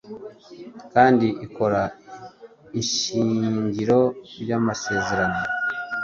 kandi ikora ishingiro ry’amasezerano